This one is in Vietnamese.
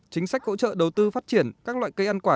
chính sách hỗ trợ đầu tư phát triển các loại cây ăn quả